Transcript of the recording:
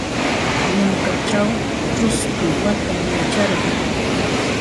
Yunkaćhaw ćhusku watam yacharqa.